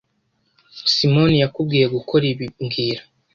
Simoni yakubwiye gukora ibi mbwira